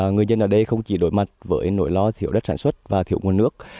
người dân ở đây không chỉ đối mặt với nỗi lo thiếu đất sản xuất và thiếu nguồn nước